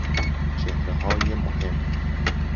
چهره های مهم